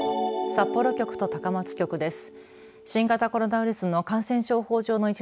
札幌局と高松局です。